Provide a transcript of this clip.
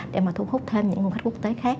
để mà thu hút thêm những nguồn khách quốc tế khác